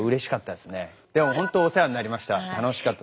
でもほんとお世話になりました。